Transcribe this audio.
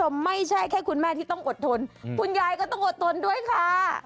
ไม่ใช่แค่คุณแม่ที่ต้องอดทนคุณยายก็ต้องอดทนด้วยค่ะ